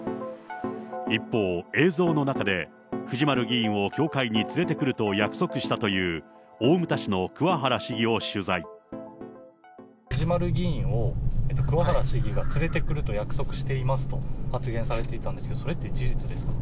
一方、映像の中で、藤丸議員を教会に連れてくると約束したという、藤丸議員を桑原市議が連れてくると約束していますけれども、発言されていたんですけれども、それって事実ですか？